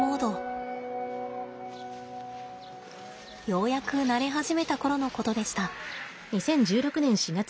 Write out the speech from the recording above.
ようやく慣れ始めた頃のことでした。